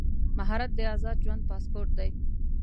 مهارت د ازاد ژوند پاسپورټ دی.